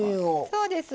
そうです。